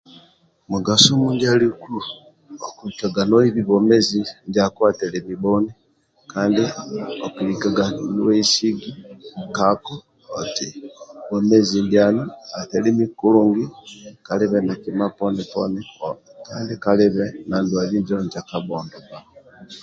Mugaso ndia aliku okulikaga noibi bwomezi ndiako atelemi bhoni kandi okulikaga nowesigi nkako oti bwomezi ndianu atelemi kulungi kalibe na kima poni poni kandi kalibe ndwali injo sa kabhondo